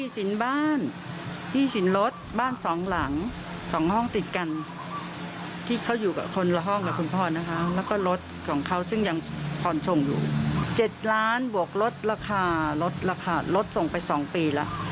ซึ่งยังผ่อนชงอยู่๗ล้านบวกลดราคารถส่งไป๒ปีแล้ว